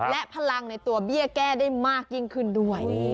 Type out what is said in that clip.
และพลังในตัวเบี้ยแก้ได้มากยิ่งขึ้นด้วย